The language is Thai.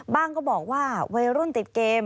ก็บอกว่าวัยรุ่นติดเกม